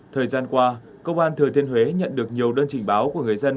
thời gian qua công an thừa thiên huế nhận được nhiều đơn trình báo của người dân